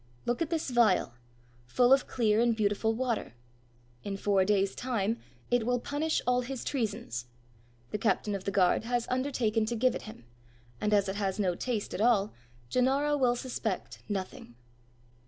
Look at this vial, full of clear and beautiful water: in four days' time, it will punish all his treasons. The captain of the guard has undertaken to give it him; and as it has no taste at all, Gennaro will suspect nothing.'"